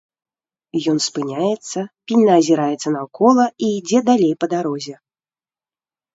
Ён спыняецца, пільна азіраецца наўкола і ідзе далей па дарозе.